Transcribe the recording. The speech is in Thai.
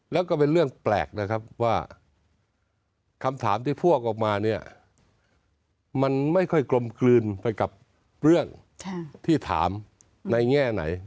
แล้วก็เป็นเรื่องแปลกนะครับว่าคำถามที่พวกออกมาเนี่ยมันไม่ค่อยกลมกลืนไปกับเรื่องที่ถามในแง่ไหน